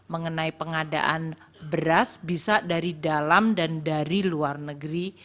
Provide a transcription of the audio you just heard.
mengenai pengadaan beras bisa dari dalam dan dari luar negeri